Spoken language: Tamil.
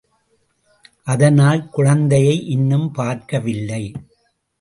அதனால் குழந்தையை இன்னும் பார்க்க வில்லை.